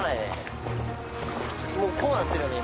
もうこうなってるよね